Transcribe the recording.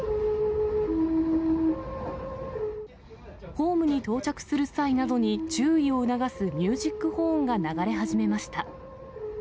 ホームに到着する際などに注意を促すミュージックホーンが流れ始めました。